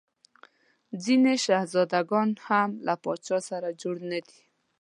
ځیني شهزاده ګان هم له پاچا سره جوړ نه دي.